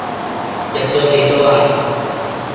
飲咗幾多呀？